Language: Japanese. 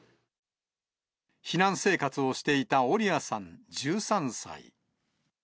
避難生活をしていたオリアさん１３歳。